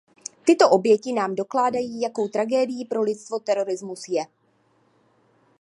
Tyto oběti nám dokládají, jakou tragedií pro lidstvo terorismus je.